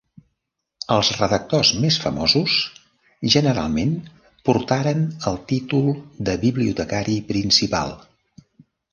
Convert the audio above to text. Els redactors més famosos generalment portaren el títol de bibliotecari principal.